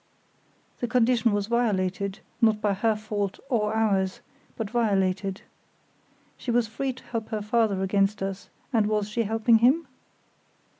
The condition was violated, not by her fault or ours, but violated. She was free to help her father against us, and was she helping him?